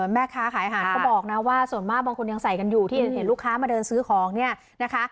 แม่ค้าขายหาก็บอกนะว่าส่วนมากคนที่เห็นลูกค้ามาซื้อของเนี่ยนะคะ